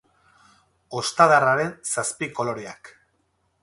Ostadarraren zazpi koloreak.